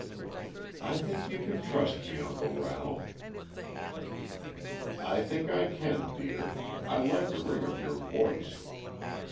"I think you can trust me, Uncle Ralph." "I think I can, dear. I like the ring of your voice.